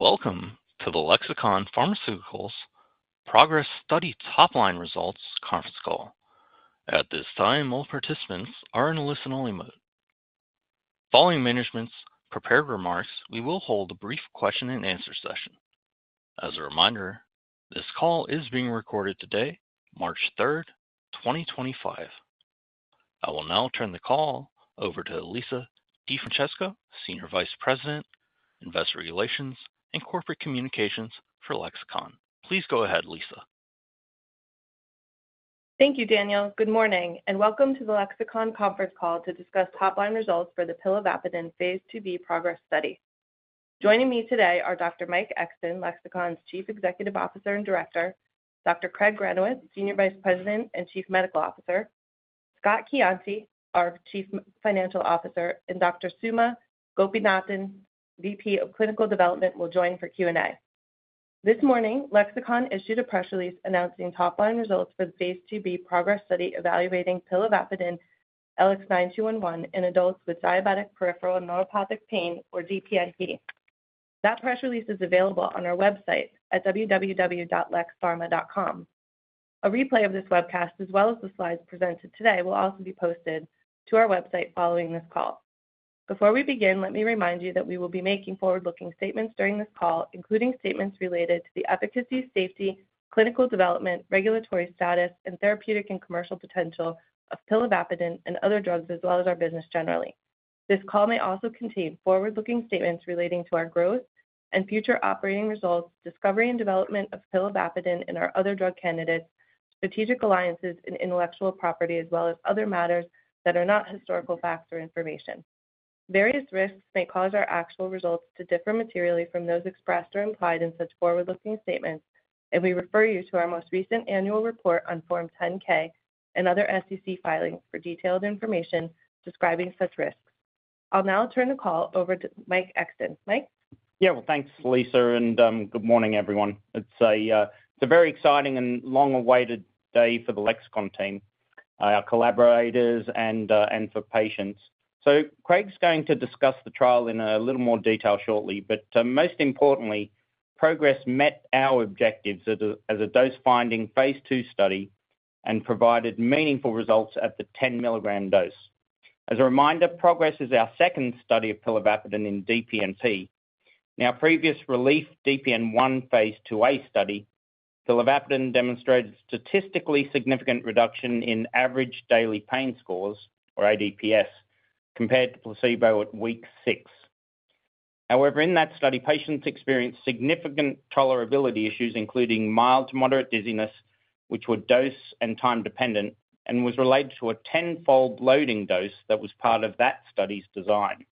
Welcome to the Lexicon Pharmaceuticals Progress Study Topline Results Conference Call. At this time, all participants are in a listen-only mode. Following management's prepared remarks, we will hold a brief question-and-answer session. As a reminder, this call is being recorded today, March 3rd, 2025. I will now turn the call over to Lisa DeFrancesco, Senior Vice President, Investor Relations and Corporate Communications for Lexicon. Please go ahead, Lisa. Thank you, Daniel. Good morning and welcome to the Lexicon Conference Call to discuss top-line results for the Pilavapadin phase II-B PROGRESS study. Joining me today are Dr. Mike Exton, Lexicon's Chief Executive Officer and Director, Dr. Craig Granowitz, Senior Vice President and Chief Medical Officer, Scott Coiante, our Chief Financial Officer, and Dr. Suma Gopinathan, VP of Clinical Development, who will join for Q&A. This morning, Lexicon issued a press release announcing top-line results for the phase II-B PROGRESS study evaluating Pilavapadin LX9211 in adults with diabetic peripheral neuropathic pain, or DPNP. That press release is available on our website at www.lexpharma.com. A replay of this webcast, as well as the slides presented today, will also be posted to our website following this call. Before we begin, let me remind you that we will be making forward-looking statements during this call, including statements related to the efficacy, safety, clinical development, regulatory status, and therapeutic and commercial potential of Pilavapadin and other drugs, as well as our business generally. This call may also contain forward-looking statements relating to our growth and future operating results, discovery and development of Pilavapadin and our other drug candidates, strategic alliances, and intellectual property, as well as other matters that are not historical facts or information. Various risks may cause our actual results to differ materially from those expressed or implied in such forward-looking statements, and we refer you to our most recent annual report on Form 10-K and other SEC filings for detailed information describing such risks. I'll now turn the call over to Mike Exton. Mike. Yeah, thanks, Lisa, and good morning, everyone. It's a very exciting and long-awaited day for the Lexicon team, our collaborators, and for patients. Craig's going to discuss the trial in a little more detail shortly, but most importantly, PROGRESS met our objectives as a dose-finding phase II study and provided meaningful results at the 10 mg dose. As a reminder, PROGRESS is our second study of Pilavapadin in DPNP. In our previous RELIEF-DPN-1 phase II-A study, Pilavapadin demonstrated statistically significant reduction in average daily pain scores, or ADPS, compared to placebo at week six. However, in that study, patients experienced significant tolerability issues, including mild to moderate dizziness, which were dose and time-dependent, and was related to a 10-fold loading dose that was part of that study's design.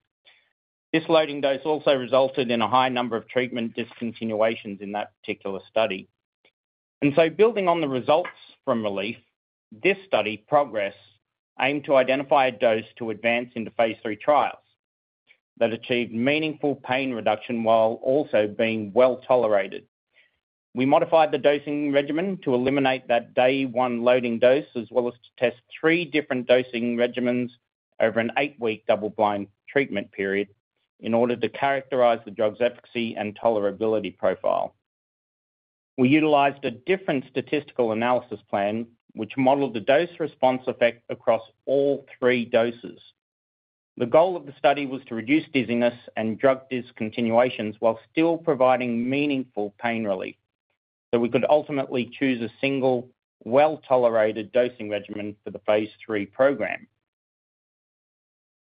This loading dose also resulted in a high number of treatment discontinuations in that particular study. Building on the results from RELIEF, this study, PROGRESS, aimed to identify a dose to advance into phase III trials that achieved meaningful pain reduction while also being well tolerated. We modified the dosing regimen to eliminate that day-one loading dose, as well as to test three different dosing regimens over an eight-week double-blind treatment period in order to characterize the drug's efficacy and tolerability profile. We utilized a different statistical analysis plan, which modeled the dose-response effect across all three doses. The goal of the study was to reduce dizziness and drug discontinuations while still providing meaningful pain relief, so we could ultimately choose a single, well-tolerated dosing regimen for the phase III program.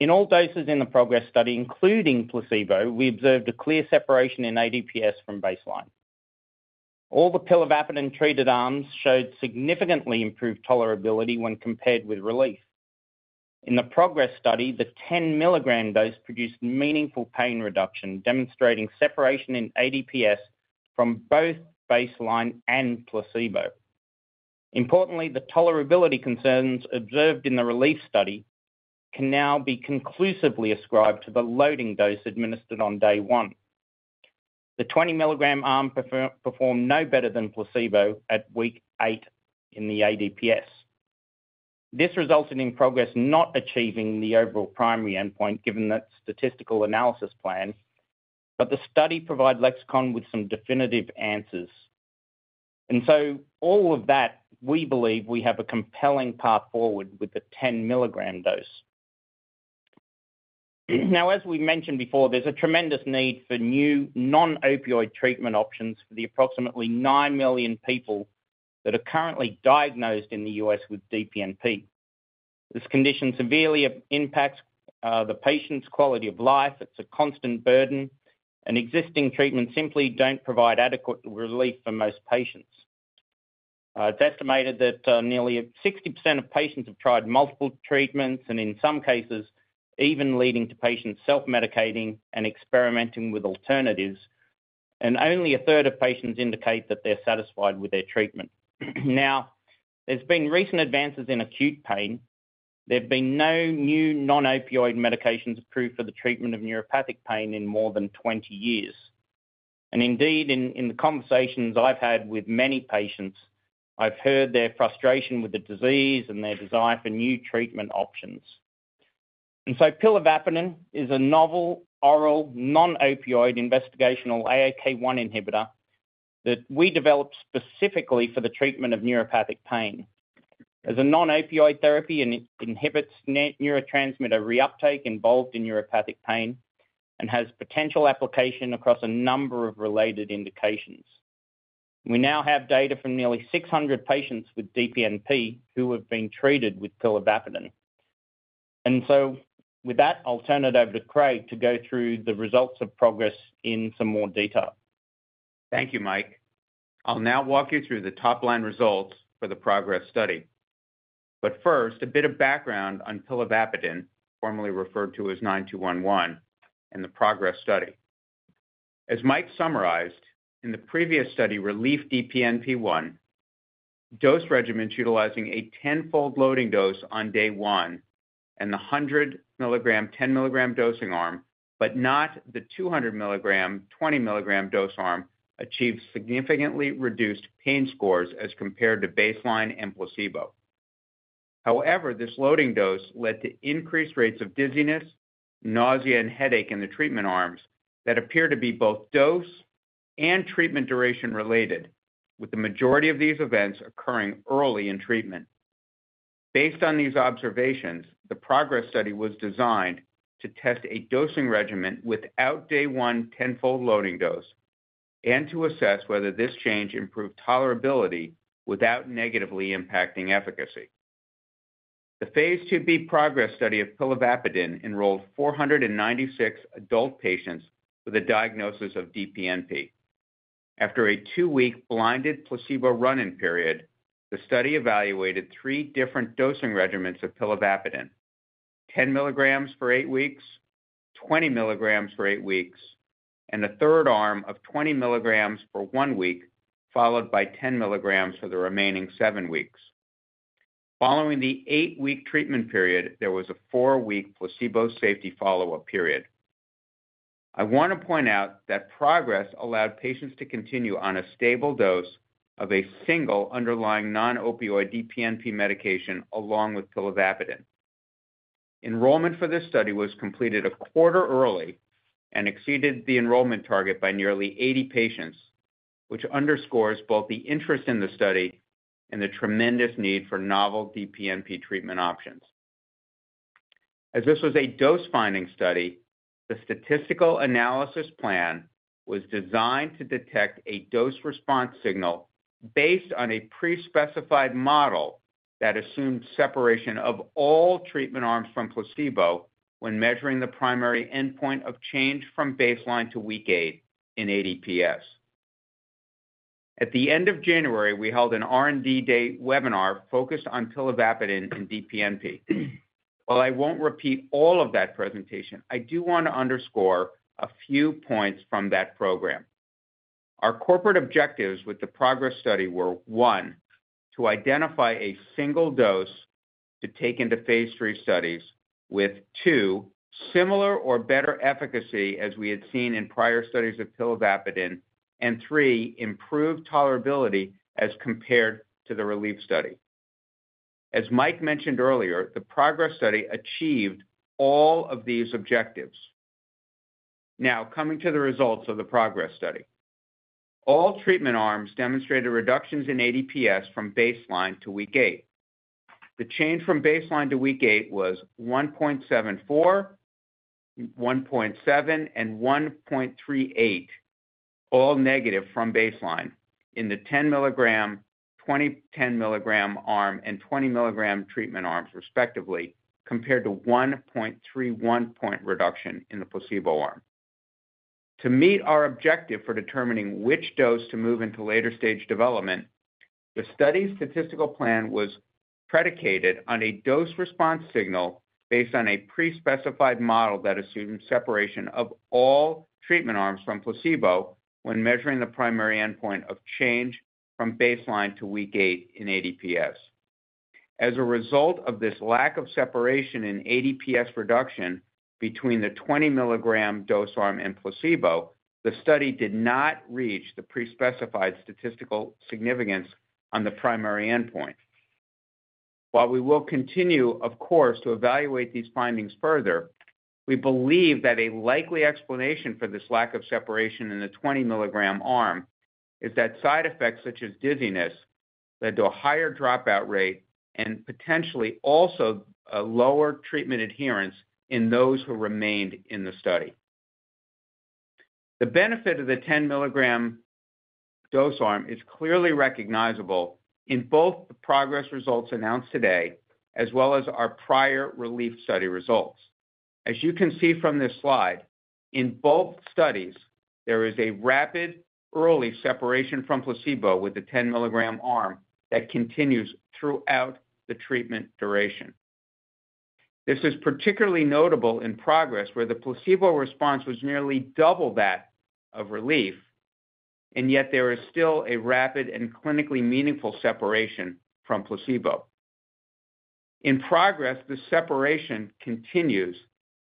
In all doses in the PROGRESS study, including placebo, we observed a clear separation in ADPS from baseline. All the Pilavapadin-treated arms showed significantly improved tolerability when compared with RELIEF. In the PROGRESS study, the 10 mg dose produced meaningful pain reduction, demonstrating separation in ADPS from both baseline and placebo. Importantly, the tolerability concerns observed in the RELIEF study can now be conclusively ascribed to the loading dose administered on day one. The 20 mg arm performed no better than placebo at week eight in the ADPS. This resulted in PROGRESS not achieving the overall primary endpoint, given that statistical analysis plan, but the study provided Lexicon with some definitive answers. All of that, we believe we have a compelling path forward with the 10 mg dose. Now, as we mentioned before, there is a tremendous need for new non-opioid treatment options for the approximately 9 million people that are currently diagnosed in the U.S. with DPNP. This condition severely impacts the patient's quality of life. It is a constant burden, and existing treatments simply do not provide adequate relief for most patients. It's estimated that nearly 60% of patients have tried multiple treatments, and in some cases, even leading to patients self-medicating and experimenting with alternatives, and only a third of patients indicate that they're satisfied with their treatment. There have been recent advances in acute pain. There have been no new non-opioid medications approved for the treatment of neuropathic pain in more than 20 years. Indeed, in the conversations I've had with many patients, I've heard their frustration with the disease and their desire for new treatment options. Pilavapadin is a novel oral non-opioid investigational AAK1 inhibitor that we developed specifically for the treatment of neuropathic pain. As a non-opioid therapy, it inhibits neurotransmitter reuptake involved in neuropathic pain and has potential application across a number of related indications. We now have data from nearly 600 patients with DPNP who have been treated with Pilavapadin. With that, I'll turn it over to Craig to go through the results of PROGRESS in some more detail. Thank you, Mike. I'll now walk you through the top-line results for the PROGRESS study. First, a bit of background on Pilavapadin, formerly referred to as 9211, and the PROGRESS study. As Mike summarized, in the previous study, RELIEF-DPN-1, dose regimens utilizing a 10-fold loading dose on day one and the 100 mg, 10 mg dosing arm, but not the 200 mg, 20 mg dose arm, achieved significantly reduced pain scores as compared to baseline and placebo. However, this loading dose led to increased rates of dizziness, nausea, and headache in the treatment arms that appear to be both dose and treatment duration related, with the majority of these events occurring early in treatment. Based on these observations, the PROGRESS study was designed to test a dosing regimen without day one 10-fold loading dose and to assess whether this change improved tolerability without negatively impacting efficacy. The phase II-B PROGRESS study of Pilavapadin enrolled 496 adult patients with a diagnosis of DPNP. After a two-week blinded placebo run-in period, the study evaluated three different dosing regimens of Pilavapadin: 10 mg for eight weeks, 20 mg for eight weeks, and a third arm of 20 mg for one week, followed by 10 mg for the remaining seven weeks. Following the eight-week treatment period, there was a four-week placebo safety follow-up period. I want to point out that PROGRESS allowed patients to continue on a stable dose of a single underlying non-opioid DPNP medication along with Pilavapadin. Enrollment for this study was completed a quarter early and exceeded the enrollment target by nearly 80 patients, which underscores both the interest in the study and the tremendous need for novel DPNP treatment options. As this was a dose-finding study, the statistical analysis plan was designed to detect a dose-response signal based on a pre-specified model that assumed separation of all treatment arms from placebo when measuring the primary endpoint of change from baseline to week eight in ADPS. At the end of January, we held an R&D day webinar focused on Pilavapadin and DPNP. While I won't repeat all of that presentation, I do want to underscore a few points from that program. Our corporate objectives with the PROGRESS study were, one, to identify a single dose to take into phase III studies, with two, similar or better efficacy as we had seen in prior studies of Pilavapadin, and three, improved tolerability as compared to the RELIEF study. As Mike mentioned earlier, the PROGRESS study achieved all of these objectives. Now, coming to the results of the PROGRESS study. All treatment arms demonstrated reductions in ADPS from baseline to week eight. The change from baseline to week eight was 1.74, 1.7, and 1.38, all negative from baseline in the 10 mg, 20-10 mg arm, and 20 mg treatment arms, respectively, compared to 1.31-point reduction in the placebo arm. To meet our objective for determining which dose to move into later stage development, the study's statistical plan was predicated on a dose-response signal based on a pre-specified model that assumed separation of all treatment arms from placebo when measuring the primary endpoint of change from baseline to week eight in ADPS. As a result of this lack of separation in ADPS reduction between the 20 mg dose arm and placebo, the study did not reach the pre-specified statistical significance on the primary endpoint. While we will continue, of course, to evaluate these findings further, we believe that a likely explanation for this lack of separation in the 20 mg arm is that side effects such as dizziness led to a higher dropout rate and potentially also a lower treatment adherence in those who remained in the study. The benefit of the 10 mg dose arm is clearly recognizable in both the PROGRESS results announced today, as well as our prior RELIEF study results. As you can see from this slide, in both studies, there is a rapid, early separation from placebo with the 10 mg arm that continues throughout the treatment duration. This is particularly notable in PROGRESS, where the placebo response was nearly double that of RELIEF, and yet there is still a rapid and clinically meaningful separation from placebo. In PROGRESS, the separation continues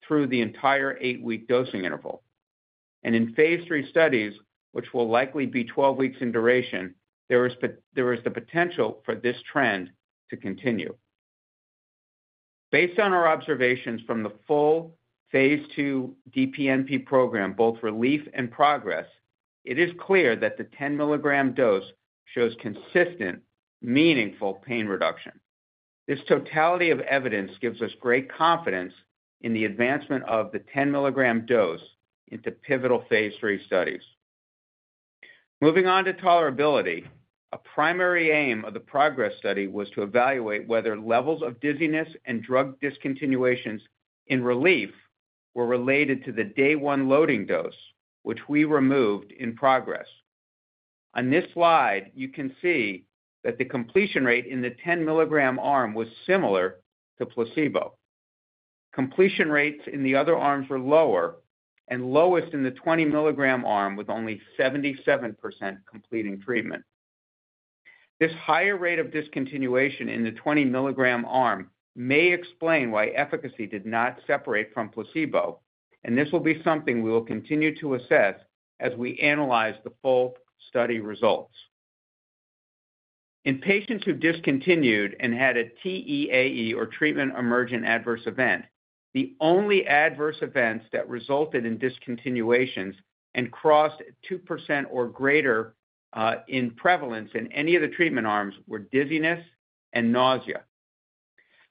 through the entire eight-week dosing interval. In phase III studies, which will likely be 12 weeks in duration, there is the potential for this trend to continue. Based on our observations from the full phase II DPNP program, both RELIEF and PROGRESS, it is clear that the 10 mg dose shows consistent, meaningful pain reduction. This totality of evidence gives us great confidence in the advancement of the 10 mg dose into pivotal phase III studies. Moving on to tolerability, a primary aim of the PROGRESS study was to evaluate whether levels of dizziness and drug discontinuations in RELIEF were related to the day-one loading dose, which we removed in PROGRESS. On this slide, you can see that the completion rate in the 10 mg arm was similar to placebo. Completion rates in the other arms were lower, and lowest in the 20 mg arm with only 77% completing treatment. This higher rate of discontinuation in the 20 mg arm may explain why efficacy did not separate from placebo, and this will be something we will continue to assess as we analyze the full study results. In patients who discontinued and had a TEAE, or treatment emergent adverse event, the only adverse events that resulted in discontinuations and crossed 2% or greater in prevalence in any of the treatment arms were dizziness and nausea.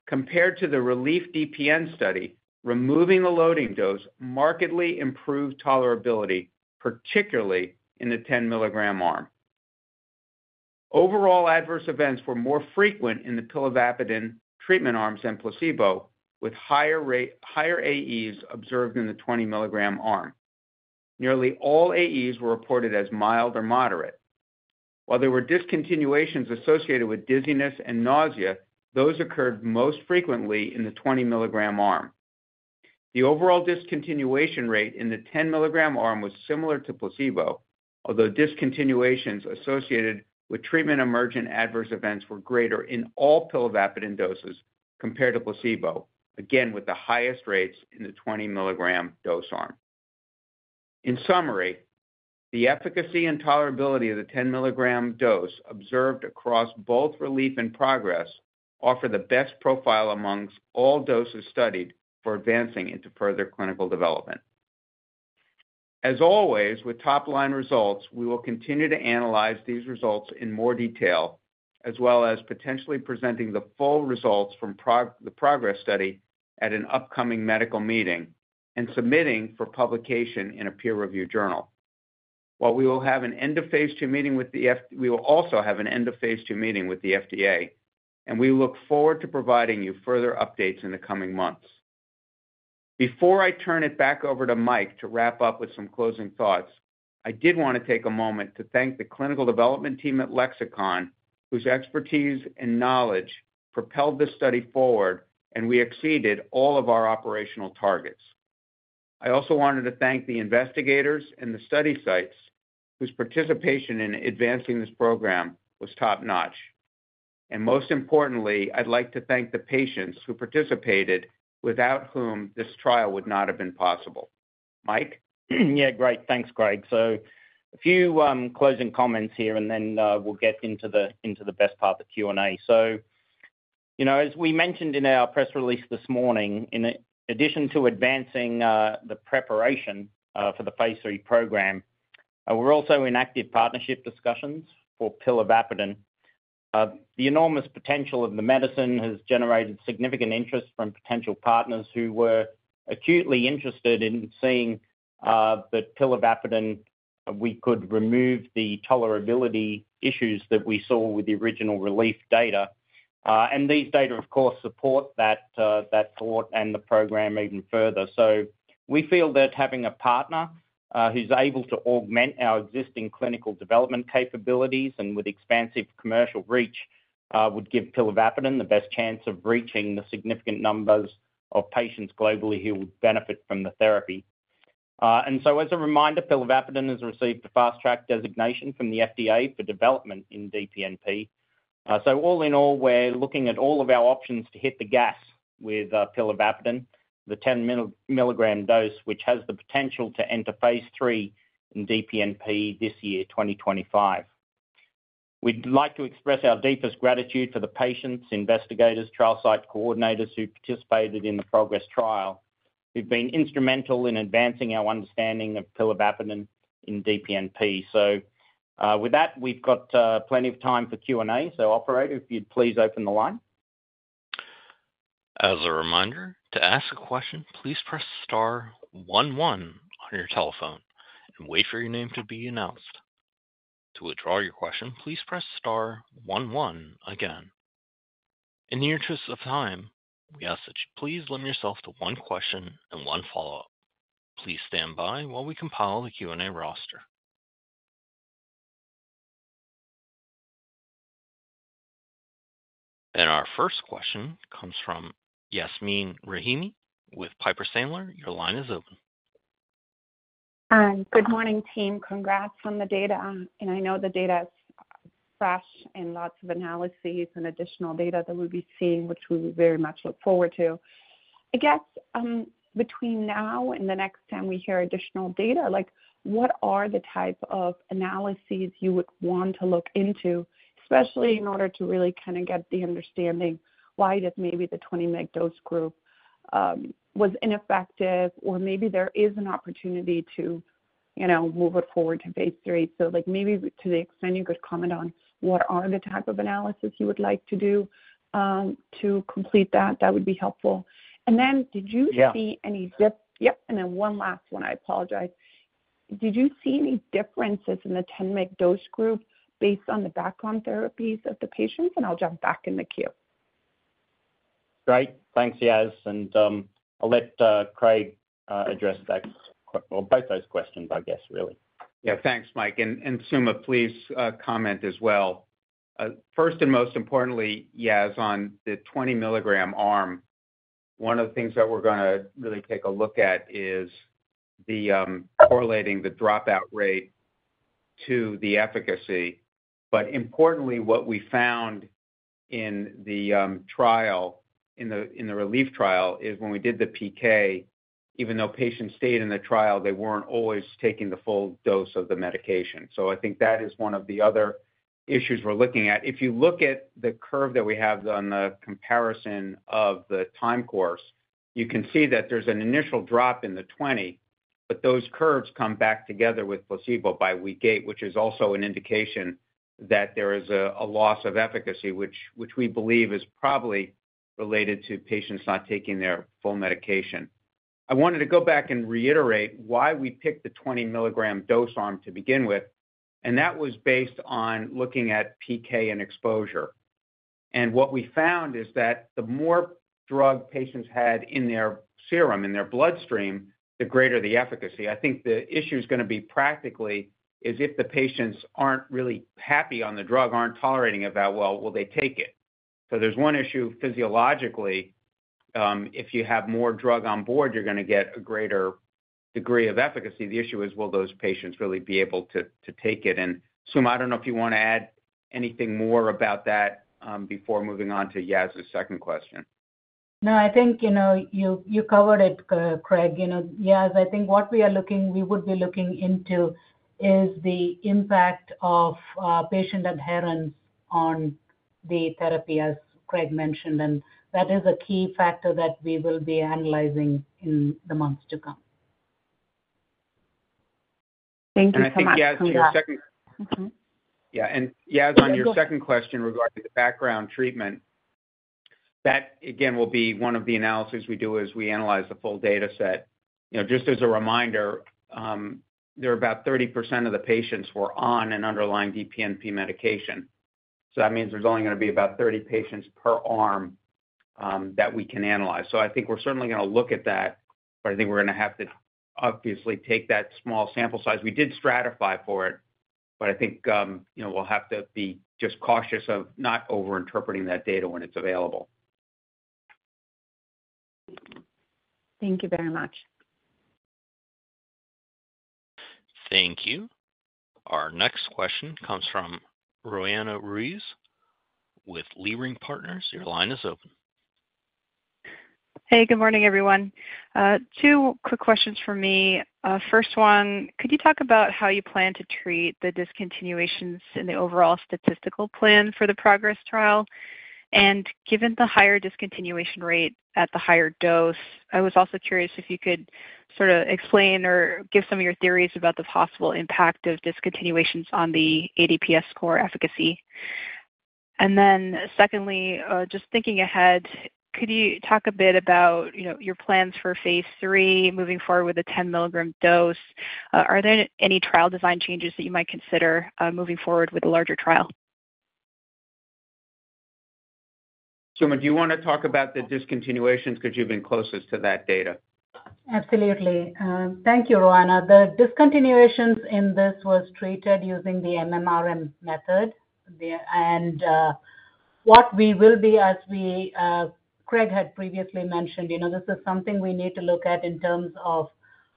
Compared to the RELIEF-DPN study, removing the loading dose markedly improved tolerability, particularly in the 10 mg arm. Overall, adverse events were more frequent in the Pilavapadin treatment arms than placebo, with higher AEs observed in the 20 mg arm. Nearly all AEs were reported as mild or moderate. While there were discontinuations associated with dizziness and nausea, those occurred most frequently in the 20 mg arm. The overall discontinuation rate in the 10 mg arm was similar to placebo, although discontinuations associated with treatment emergent adverse events were greater in all Pilavapadin doses compared to placebo, again with the highest rates in the 20 mg dose arm. In summary, the efficacy and tolerability of the 10 mg dose observed across both RELIEF and PROGRESS offer the best profile amongst all doses studied for advancing into further clinical development. As always, with top-line results, we will continue to analyze these results in more detail, as well as potentially presenting the full results from the PROGRESS study at an upcoming medical meeting and submitting for publication in a peer-reviewed journal. While we will have an end-of-phase 2 meeting with the FDA, we look forward to providing you further updates in the coming months. Before I turn it back over to Mike to wrap up with some closing thoughts, I did want to take a moment to thank the clinical development team at Lexicon, whose expertise and knowledge propelled this study forward, and we exceeded all of our operational targets. I also wanted to thank the investigators and the study sites, whose participation in advancing this program was top-notch. Most importantly, I'd like to thank the patients who participated, without whom this trial would not have been possible. Mike? Yeah, great. Thanks, Craig. A few closing comments here, and then we'll get into the best part of the Q&A. As we mentioned in our press release this morning, in addition to advancing the preparation for the phase III program, we're also in active partnership discussions for Pilavapadin. The enormous potential of the medicine has generated significant interest from potential partners who were acutely interested in seeing that Pilavapadin, we could remove the tolerability issues that we saw with the original RELIEF data. These data, of course, support that thought and the program even further. We feel that having a partner who's able to augment our existing clinical development capabilities and with expansive commercial reach would give Pilavapadin the best chance of reaching the significant numbers of patients globally who would benefit from the therapy. As a reminder, Pilavapadin has received a fast-track designation from the FDA for development in DPNP. All in all, we're looking at all of our options to hit the gas with Pilavapadin, the 10 mg dose, which has the potential to enter phase III in DPNP this year, 2025. We'd like to express our deepest gratitude for the patients, investigators, trial site coordinators who participated in the PROGRESS trial, who've been instrumental in advancing our understanding of Pilavapadin in DPNP. With that, we've got plenty of time for Q&A. Operator, if you'd please open the line. As a reminder, to ask a question, please press star one one on your telephone and wait for your name to be announced. To withdraw your question, please press star one one again. In the interest of time, we ask that you please limit yourself to one question and one follow-up. Please stand by while we compile the Q&A roster. Our first question comes from Yasmeen Rahimi with Piper Sandler. Your line is open. Good morning, team. Congrats on the data. I know the data is fresh and lots of analyses and additional data that we'll be seeing, which we very much look forward to. I guess between now and the next time we hear additional data, what are the type of analyses you would want to look into, especially in order to really kind of get the understanding why that maybe the 20 mg dose group was ineffective, or maybe there is an opportunity to move it forward to phase III? To the extent you could comment on what are the type of analyses you would like to do to complete that, that would be helpful. And then did you see any— Yeah. Yep. One last one, I apologize. Did you see any differences in the 10 mg dose group based on the background therapies of the patients? I'll jump back in the queue. Great. Thanks, Yas. I will let Craig address both those questions, I guess, really. Yeah, thanks, Mike. Suma, please comment as well. First and most importantly, Yas, on the 20 mg arm, one of the things that we're going to really take a look at is correlating the dropout rate to the efficacy. Importantly, what we found in the RELIEF trial is when we did the PK, even though patients stayed in the trial, they weren't always taking the full dose of the medication. I think that is one of the other issues we're looking at. If you look at the curve that we have on the comparison of the time course, you can see that there's an initial drop in the 20, but those curves come back together with placebo by week eight, which is also an indication that there is a loss of efficacy, which we believe is probably related to patients not taking their full medication. I wanted to go back and reiterate why we picked the 20 mg dose arm to begin with, and that was based on looking at PK and exposure. What we found is that the more drug patients had in their serum, in their bloodstream, the greater the efficacy. I think the issue is going to be practically if the patients aren't really happy on the drug, aren't tolerating it that well, will they take it? There is one issue physiologically. If you have more drug on board, you're going to get a greater degree of efficacy. The issue is, will those patients really be able to take it? Suma, I don't know if you want to add anything more about that before moving on to Yas' second question. No, I think you covered it, Craig. Yas, I think what we are looking—we would be looking into is the impact of patient adherence on the therapy, as Craig mentioned, and that is a key factor that we will be analyzing in the months to come. Thank you so much. I think Yas. Thank you. Yeah. Yas, on your second question regarding the background treatment, that again will be one of the analyses we do as we analyze the full data set. Just as a reminder, there are about 30% of the patients who are on an underlying DPNP medication. That means there is only going to be about 30 patients per arm that we can analyze. I think we are certainly going to look at that, but I think we are going to have to obviously take that small sample size. We did stratify for it, but I think we will have to be just cautious of not over-interpreting that data when it is available. Thank you very much. Thank you. Our next question comes from Roanna Ruiz with Leerink Partners. Your line is open. Hey, good morning, everyone. Two quick questions for me. First one, could you talk about how you plan to treat the discontinuations in the overall statistical plan for the PROGRESS trial? Given the higher discontinuation rate at the higher dose, I was also curious if you could sort of explain or give some of your theories about the possible impact of discontinuations on the ADPS score efficacy. Secondly, just thinking ahead, could you talk a bit about your plans for phase III moving forward with the 10 mg dose? Are there any trial design changes that you might consider moving forward with a larger trial? Suma, do you want to talk about the discontinuations because you've been closest to that data? Absolutely. Thank you, Roanna. The discontinuations in this were treated using the MMRM method. What we will be—as Craig had previously mentioned, this is something we need to look at in terms of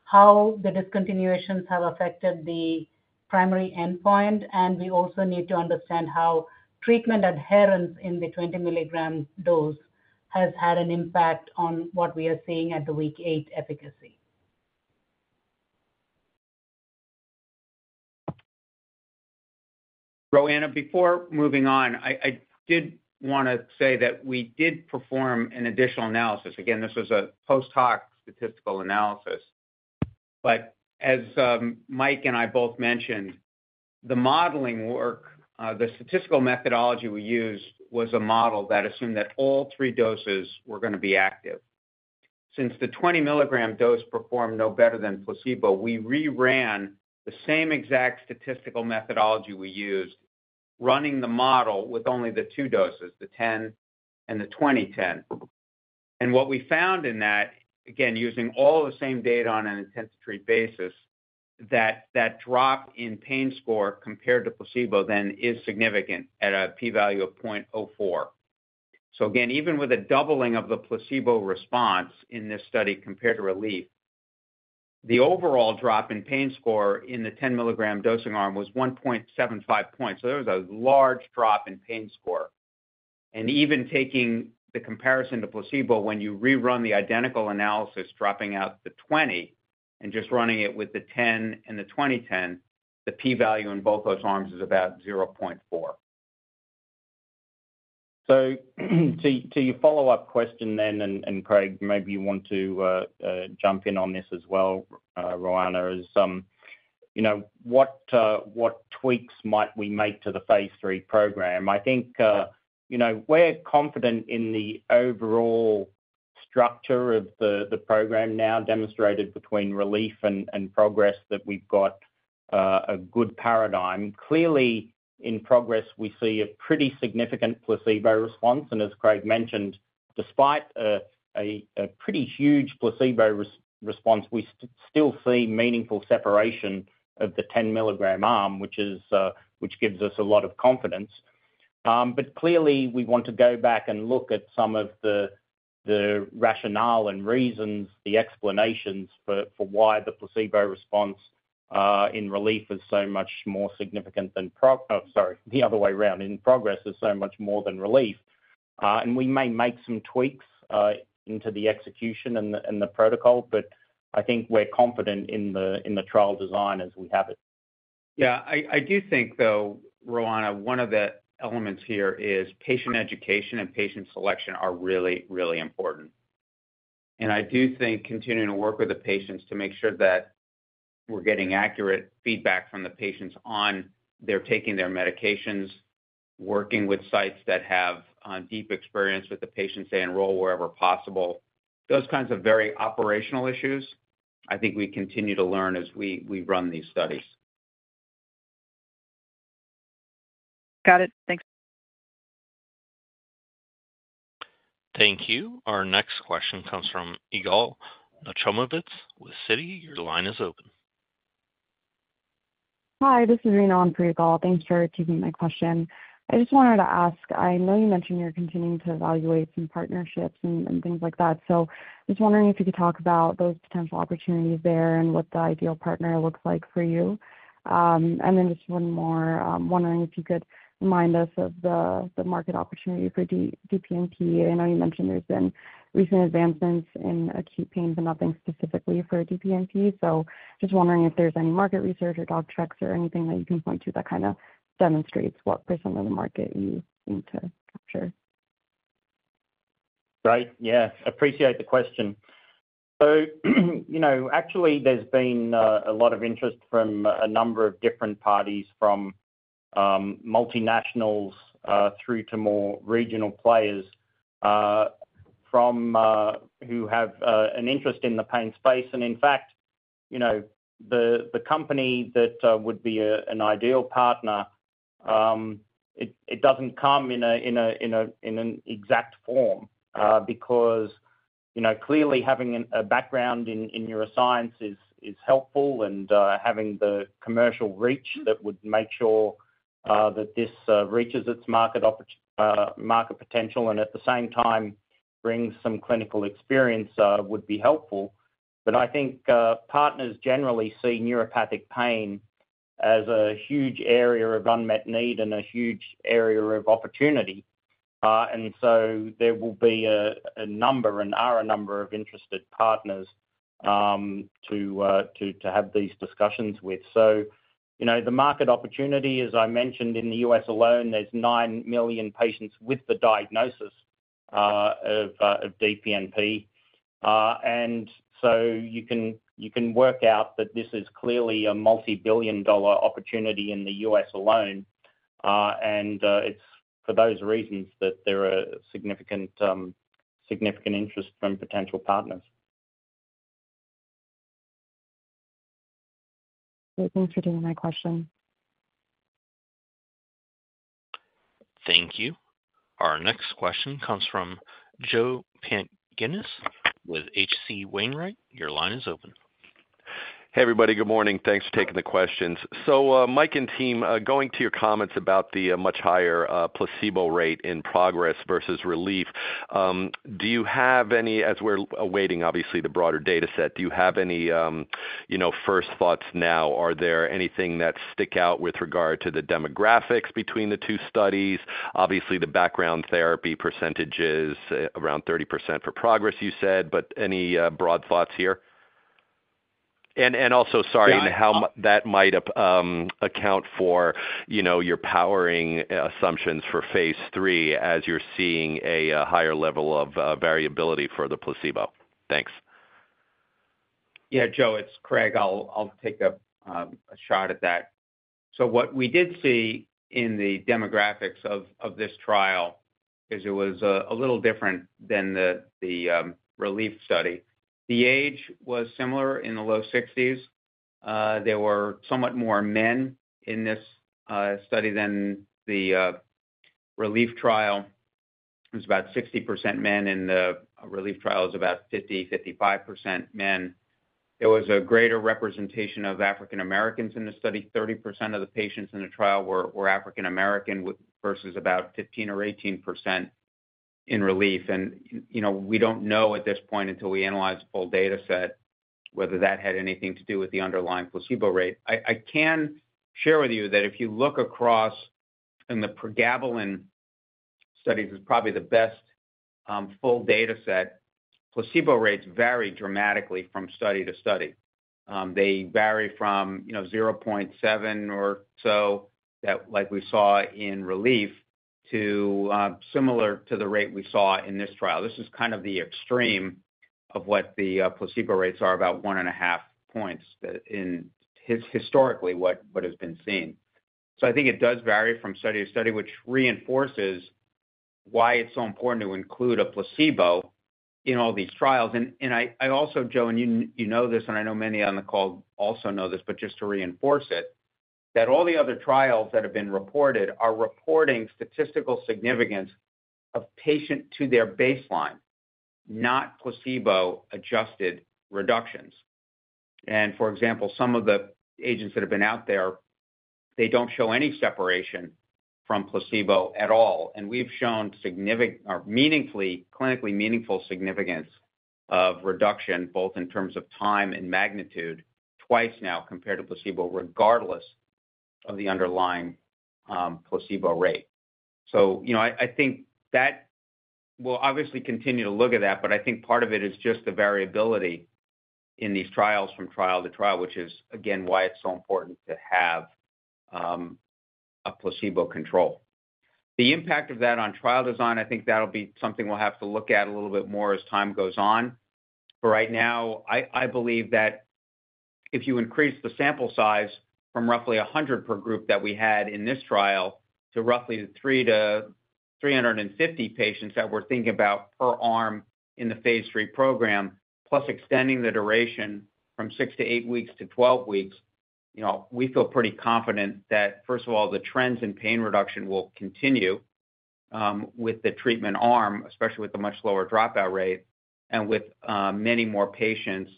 how the discontinuations have affected the primary endpoint, and we also need to understand how treatment adherence in the 20 mg dose has had an impact on what we are seeing at the week eight efficacy. Roanna, before moving on, I did want to say that we did perform an additional analysis. Again, this was a post-hoc statistical analysis. As Mike and I both mentioned, the modeling work, the statistical methodology we used was a model that assumed that all three doses were going to be active. Since the 20 mg dose performed no better than placebo, we reran the same exact statistical methodology we used, running the model with only the two doses, the 10 and the 20/10. What we found in that, again, using all the same data on an intensity basis, that drop in pain score compared to placebo then is significant at a p-value of 0.04. Again, even with a doubling of the placebo response in this study compared to RELIEF, the overall drop in pain score in the 10 mg dosing arm was 1.75 points. There was a large drop in pain score. Even taking the comparison to placebo, when you rerun the identical analysis, dropping out the 20 and just running it with the 10 and the 20/10, the p-value in both those arms is about 0.4. To your follow-up question then, and Craig, maybe you want to jump in on this as well, Roanna, is what tweaks might we make to the phase III program? I think we're confident in the overall structure of the program now demonstrated between RELIEF and PROGRESS that we've got a good paradigm. Clearly, in PROGRESS, we see a pretty significant placebo response. As Craig mentioned, despite a pretty huge placebo response, we still see meaningful separation of the 10 mg arm, which gives us a lot of confidence. Clearly, we want to go back and look at some of the rationale and reasons, the explanations for why the placebo response in RELIEF is so much more significant than—sorry, the other way around—in PROGRESS is so much more than RELIEF. We may make some tweaks into the execution and the protocol, but I think we're confident in the trial design as we have it. Yeah. I do think, though, Roanna, one of the elements here is patient education and patient selection are really, really important. I do think continuing to work with the patients to make sure that we're getting accurate feedback from the patients on their taking their medications, working with sites that have deep experience with the patients, they enroll wherever possible. Those kinds of very operational issues, I think we continue to learn as we run these studies. Got it. Thanks. Thank you. Our next question comes from Yigal Nochomovitz with Citi. Your line is open. Hi, this is Rena on Yigal. Thanks for taking my question. I just wanted to ask, I know you mentioned you're continuing to evaluate some partnerships and things like that. Just wondering if you could talk about those potential opportunities there and what the ideal partner looks like for you. Just one more, wondering if you could remind us of the market opportunity for DPNP. I know you mentioned there's been recent advancements in acute pain, but nothing specifically for DPNP. Just wondering if there's any market research or doc checks or anything that you can point to that kind of demonstrates what percent of the market you need to capture. Great. Yes. Appreciate the question. Actually, there's been a lot of interest from a number of different parties, from multinationals through to more regional players, who have an interest in the pain space. In fact, the company that would be an ideal partner doesn't come in an exact form because clearly having a background in neuroscience is helpful and having the commercial reach that would make sure that this reaches its market potential and at the same time brings some clinical experience would be helpful. I think partners generally see neuropathic pain as a huge area of unmet need and a huge area of opportunity. There will be a number and are a number of interested partners to have these discussions with. The market opportunity, as I mentioned, in the U.S. alone, there's 9 million patients with the diagnosis of DPNP. You can work out that this is clearly a multi-billion dollar opportunity in the U.S. alone. It is for those reasons that there are significant interest from potential partners. Thanks for taking my question. Thank you. Our next question comes from Joe Pantginis with H.C. Wainwright. Your line is open. Hey, everybody. Good morning. Thanks for taking the questions. Mike and team, going to your comments about the much higher placebo rate in PROGRESS versus RELIEF, do you have any—as we're awaiting, obviously, the broader data set—do you have any first thoughts now? Is there anything that sticks out with regard to the demographics between the two studies? Obviously, the background therapy percentage is around 30% for PROGRESS, you said, but any broad thoughts here? Also, sorry, that might account for your powering assumptions for phase III as you're seeing a higher level of variability for the placebo. Thanks. Yeah, Joe, it's Craig. I'll take a shot at that. What we did see in the demographics of this trial is it was a little different than the RELIEF study. The age was similar in the low 60s. There were somewhat more men in this study than the RELIEF trial. It was about 60% men, and the RELIEF trial was about 50-55% men. There was a greater representation of African Americans in the study. 30% of the patients in the trial were African American versus about 15 or 18% in RELIEF. We don't know at this point until we analyze the full data set whether that had anything to do with the underlying placebo rate. I can share with you that if you look across in the pregabalin studies, it's probably the best full data set, placebo rates vary dramatically from study to study. They vary from 0.7 or so that, like we saw in RELIEF to similar to the rate we saw in this trial. This is kind of the extreme of what the placebo rates are, about one and a half points in historically what has been seen. I think it does vary from study to study, which reinforces why it's so important to include a placebo in all these trials. I also, Joe, and you know this, and I know many on the call also know this, but just to reinforce it, that all the other trials that have been reported are reporting statistical significance of patient to their baseline, not placebo-adjusted reductions. For example, some of the agents that have been out there, they do not show any separation from placebo at all. We have shown significant or meaningfully clinically meaningful significance of reduction both in terms of time and magnitude twice now compared to placebo regardless of the underlying placebo rate. I think that we will obviously continue to look at that, but I think part of it is just the variability in these trials from trial to trial, which is, again, why it is so important to have a placebo control. The impact of that on trial design, I think that will be something we will have to look at a little bit more as time goes on. Right now, I believe that if you increase the sample size from roughly 100 per group that we had in this trial to roughly 350 patients that we're thinking about per arm in the phase III program, plus extending the duration from 6-8 weeks to 12 weeks, we feel pretty confident that, first of all, the trends in pain reduction will continue with the treatment arm, especially with the much lower dropout rate. With many more patients,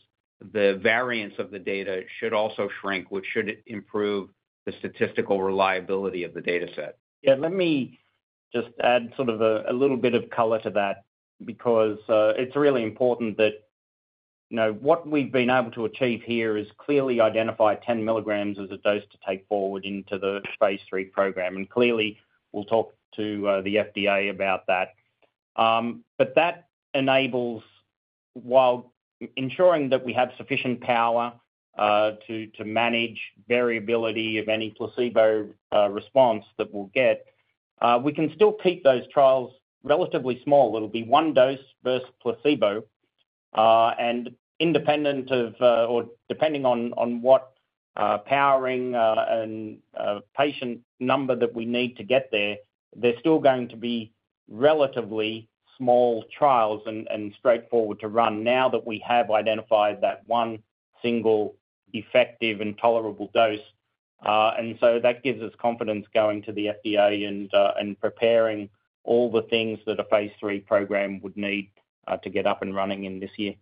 the variance of the data should also shrink, which should improve the statistical reliability of the data set. Yeah. Let me just add sort of a little bit of color to that because it's really important that what we've been able to achieve here is clearly identify 10 mg as a dose to take forward into the phase III program. Clearly, we'll talk to the FDA about that. That enables, while ensuring that we have sufficient power to manage variability of any placebo response that we'll get, we can still keep those trials relatively small. It'll be one dose versus placebo. Independent of or depending on what powering and patient number that we need to get there, they're still going to be relatively small trials and straightforward to run now that we have identified that one single effective and tolerable dose. That gives us confidence going to the FDA and preparing all the things that a phase III program would need to get up and running in this year.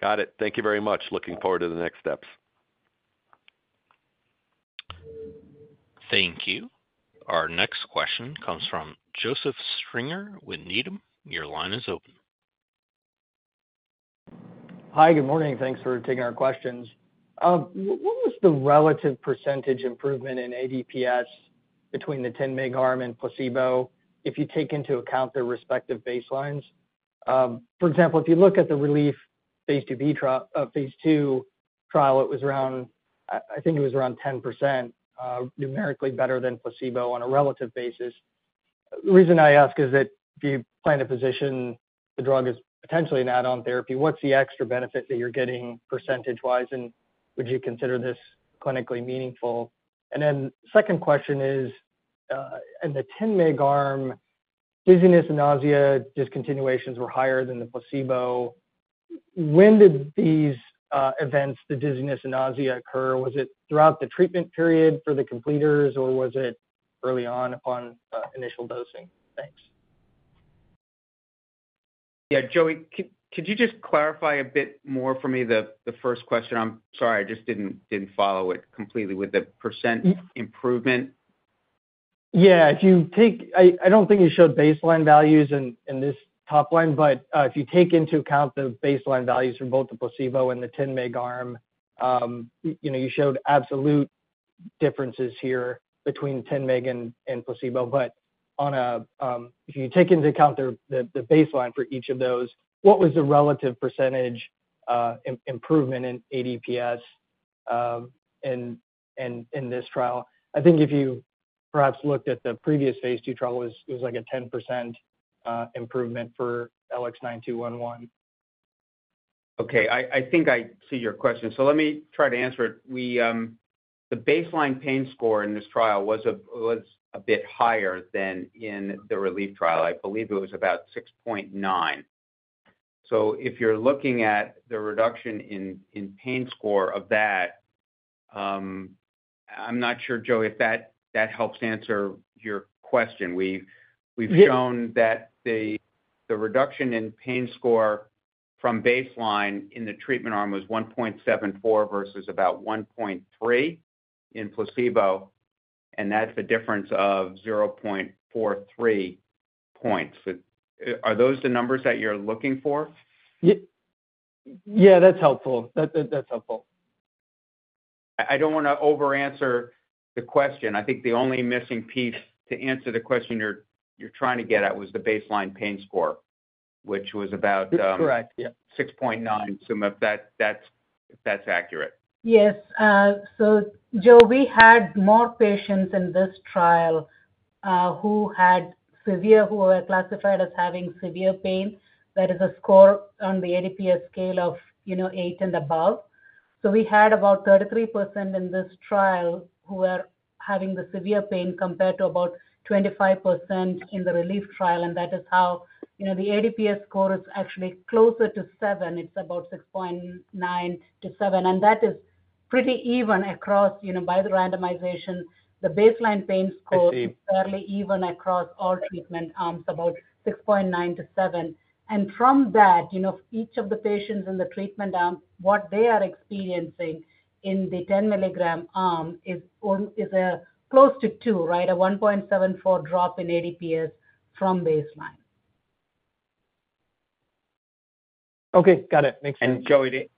Got it. Thank you very much. Looking forward to the next steps. Thank you. Our next question comes from Joseph Stringer with Needham. Your line is open. Hi, good morning. Thanks for taking our questions. What was the relative percentage improvement in ADPS between the 10 mg arm and placebo if you take into account their respective baselines? For example, if you look at the RELIEF phase II trial, it was around, I think it was around 10% numerically better than placebo on a relative basis. The reason I ask is that if you plan to position the drug as potentially an add-on therapy, what's the extra benefit that you're getting percentage-wise, and would you consider this clinically meaningful? Second question is, in the 10 mg arm, dizziness and nausea discontinuations were higher than the placebo. When did these events, the dizziness and nausea, occur? Was it throughout the treatment period for the completers, or was it early on upon initial dosing? Thanks. Yeah. Joe, could you just clarify a bit more for me the first question? I'm sorry, I just didn't follow it completely with the percent improvement. Yeah. I don't think you showed baseline values in this top line, but if you take into account the baseline values for both the placebo and the 10 mg arm, you showed absolute differences here between 10 mg and placebo. If you take into account the baseline for each of those, what was the relative percentage improvement in ADPS in this trial? I think if you perhaps looked at the previous phase II trial, it was like a 10% improvement for LX9211. Okay. I think I see your question. Let me try to answer it. The baseline pain score in this trial was a bit higher than in the RELIEF trial. I believe it was about 6.9. If you're looking at the reduction in pain score of that, I'm not sure, Joe, if that helps answer your question. We've shown that the reduction in pain score from baseline in the treatment arm was 1.74 versus about 1.3 in placebo, and that's a difference of 0.43 points. Are those the numbers that you're looking for? Yeah. That's helpful. That's helpful. I don't want to over-answer the question. I think the only missing piece to answer the question you're trying to get at was the baseline pain score, which was about. That's correct. Yeah. 6.9, if that's accurate. Yes. Joe, we had more patients in this trial who had severe, who were classified as having severe pain. That is a score on the ADPS scale of 8 and above. We had about 33% in this trial who were having the severe pain compared to about 25% in the RELIEF trial. That is how the ADPS score is actually closer to 7. It is about 6.9-7. That is pretty even across by the randomization. The baseline pain score is fairly even across all treatment arms, about 6.9-7. From that, each of the patients in the treatment arm, what they are experiencing in the 10 mg arm is close to 2, right? A 1.74 drop in ADPS from baseline. Okay. Got it.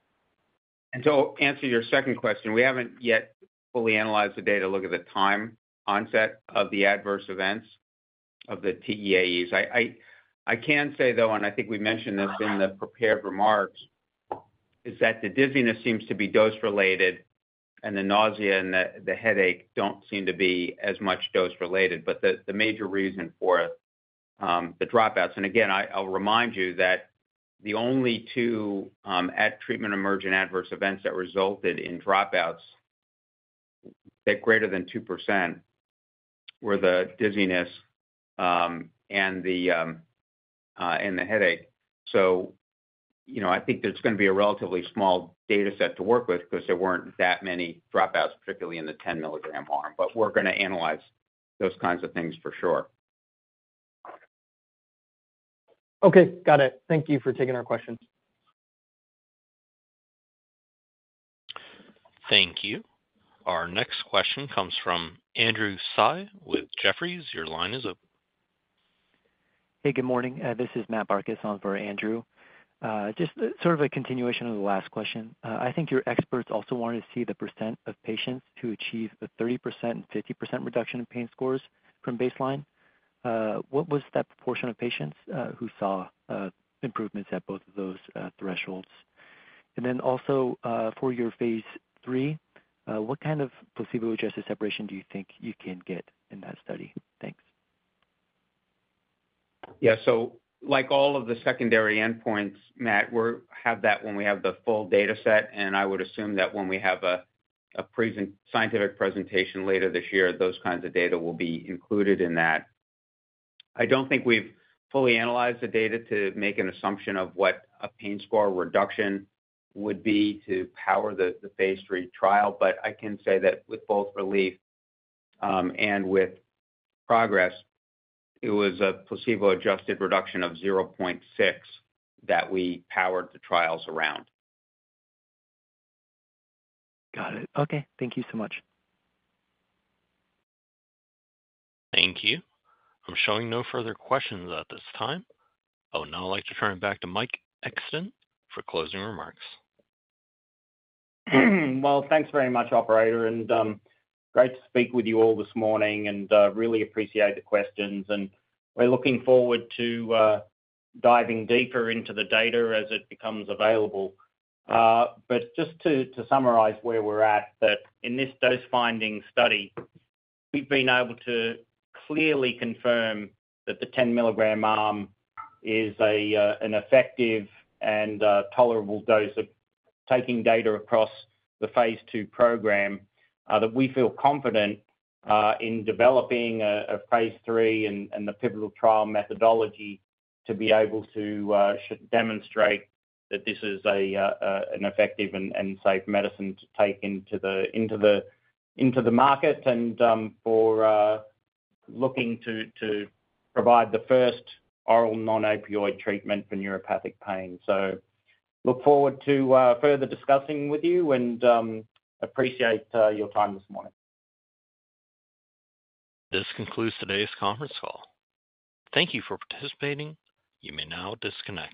Makes sense. Joe, to answer your second question, we have not yet fully analyzed the data to look at the time onset of the adverse events of the TEAEs. I can say, though, and I think we mentioned this in the prepared remarks, that the dizziness seems to be dose-related, and the nausea and the headache do not seem to be as much dose-related, but are the major reason for the dropouts. I will remind you that the only two treatment-emergent adverse events that resulted in dropouts greater than 2% were the dizziness and the headache. I think there is going to be a relatively small data set to work with because there were not that many dropouts, particularly in the 10 mg arm. We are going to analyze those kinds of things for sure. Okay. Got it. Thank you for taking our questions. Thank you. Our next question comes from Andrew Tsai with Jefferies. Your line is open. Hey, good morning. This is Matt Barcus on for Andrew. Just sort of a continuation of the last question. I think your experts also wanted to see the percent of patients who achieve a 30% and 50% reduction in pain scores from baseline. What was that proportion of patients who saw improvements at both of those thresholds? Also for your phase III, what kind of placebo-adjusted separation do you think you can get in that study? Thanks. Yeah. Like all of the secondary endpoints, Matt, we'll have that when we have the full data set. I would assume that when we have a scientific presentation later this year, those kinds of data will be included in that. I don't think we've fully analyzed the data to make an assumption of what a pain score reduction would be to power the phase III trial. I can say that with both RELIEF and with PROGRESS, it was a placebo-adjusted reduction of 0.6 that we powered the trials around. Got it. Okay. Thank you so much. Thank you. I'm showing no further questions at this time. Now I'd like to turn it back to Mike Exton for closing remarks. Thank you very much, Operator. Great to speak with you all this morning and really appreciate the questions. We are looking forward to diving deeper into the data as it becomes available. Just to summarize where we are at, in this dose-finding study, we have been able to clearly confirm that the 10 mg arm is an effective and tolerable dose. Taking data across the phase II program, we feel confident in developing a phase III and the pivotal trial methodology to be able to demonstrate that this is an effective and safe medicine to take into the market and for looking to provide the first oral non-opioid treatment for neuropathic pain. We look forward to further discussing with you and appreciate your time this morning. This concludes today's conference call. Thank you for participating. You may now disconnect.